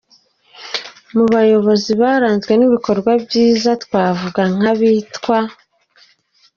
Mu bayobozi baranzwe n’ibikorwa byiza twavuga nkabitwa: